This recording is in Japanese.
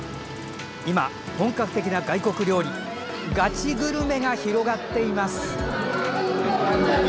今、本格的な外国料理ガチグルメが広がっています。